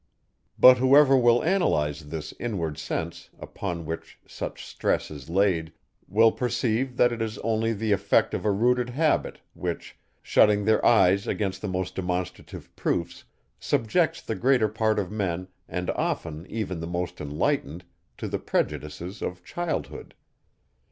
But whoever will analyse this inward sense, upon which such stress is laid, will perceive, that it is only the effect of a rooted habit, which, shutting their eyes against the most demonstrative proofs, subjects the greater part of men, and often even the most enlightened, to the prejudices of childhood.